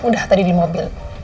udah tadi di mobil